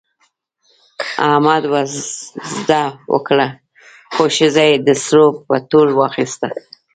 احمد وزده وکړه، خو ښځه یې د سرو په تول واخیسته.